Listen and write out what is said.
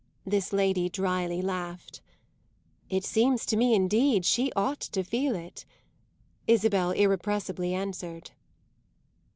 this lady dryly laughed. "It seems to me indeed she ought to feel it!" Isabel irrepressibly answered.